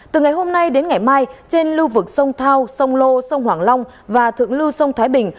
từ ngày hôm nay đến ngày mai trên lưu vực sông thao sông lô sông hoàng long và thượng lưu sông thái bình